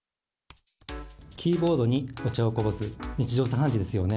キーボードにお茶をこぼす、日常茶飯事ですよね。